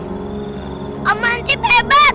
hai amanti bebat